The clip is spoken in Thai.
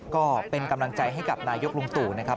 ก็เป็นกำลังใจให้กับนายกลุงตู่นะครับ